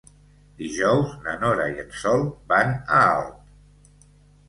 Dijous na Nora i en Sol van a Alp.